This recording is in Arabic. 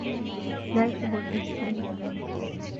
لا يحب الآيس كريم.